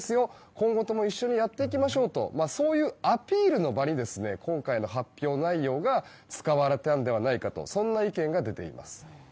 今後とも一緒にやっていきましょうというアピールの場に今回の発表内容が使われたのではないかという意見が出ています。